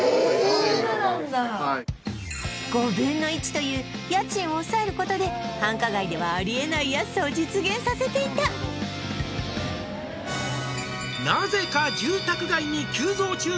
５分の１という家賃を抑えることで繁華街ではあり得ない安さを実現させていた「なぜか」